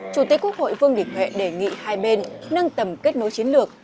chủ tịch quốc hội vương đình huệ đề nghị hai bên nâng tầm kết nối chiến lược